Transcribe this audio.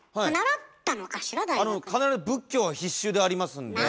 必ず仏教は必修でありますんで。